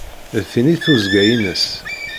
D tin i d tuzzga-ines.